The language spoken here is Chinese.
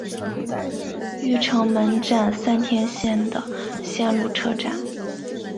御成门站三田线的铁路车站。